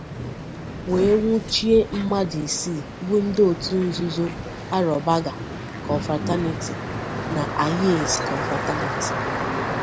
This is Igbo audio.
wee nwụchie mmadụ isii bụ ndị otu nzuzo 'Aro Bagger Confraternity' na 'Ayes Confraternity'